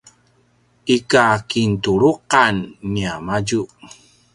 i kakintuluqan tiamadju